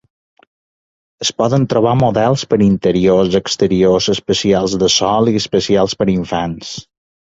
Es poden trobar models per interiors, exteriors, especials de sol, i especials per infants.